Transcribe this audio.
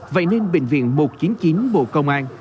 vậy nên bệnh viện một trăm chín mươi chín bộ công an